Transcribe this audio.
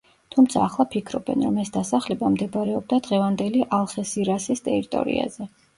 თუმცა ახლა ფიქრობენ, რომ ეს დასახლება მდებარეობდა დღევანდელი ალხესირასის ტერიტორიაზე.